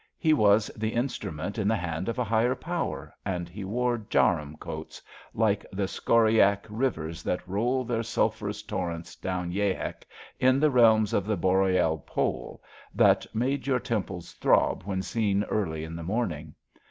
He was the instru ment in the hand of a fiigher Power, and he wore jharun coats, like the scoriae rivers that roll their sulphurous torrents down Yahek, in the realms of the Boreal Pole, that made your tem ples throb when seen early in the morning.